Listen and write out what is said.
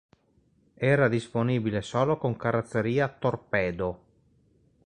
Era disponibile solo con carrozzeria torpedo.